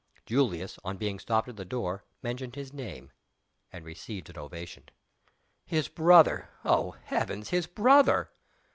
Julius, on being stopped at the door, mentioned his name and received an ovation. His brother! oh, heavens, his brother!